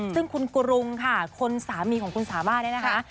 ซึ่งคุณกรุงค่ะคนสามีของคุณสามารถเนี่ยนะคะ